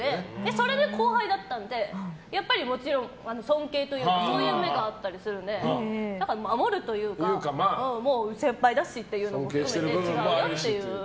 それの後輩だったのでやっぱり、もちろん尊敬というかそういう目があったりするのでだから守るというかもう先輩だしっていうのがあって違うよっていう。